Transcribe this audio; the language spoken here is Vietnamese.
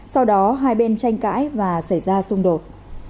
sau đó hai bên tranh cãi và xảy ra xung đột